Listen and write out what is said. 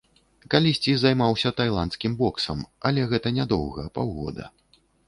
Калісьці займаўся тайландскім боксам, але гэта не доўга, паўгода.